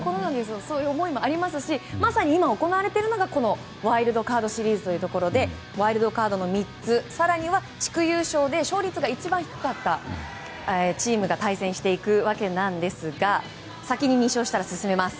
そういう思いもありますしまさに今、行われているのがワイルドカードシリーズでワイルドカードの３つ更には地区優勝で勝率が一番低かったチームが対戦していくわけですが先に２勝したら進めます。